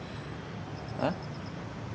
えっ？